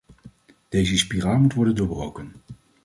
Deze spiraal moet worden doorbroken.